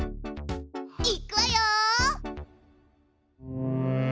いっくわよ！